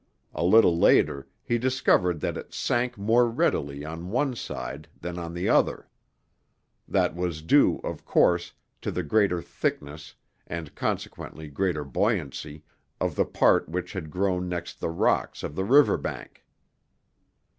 A little later he discovered that it sank more readily on one side than on the other. That was due, of course, to the greater thickness and consequently greater buoyancy of the part which had grown next the rocks of the river bank.